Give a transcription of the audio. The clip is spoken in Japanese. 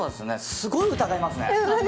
すごい疑いますね。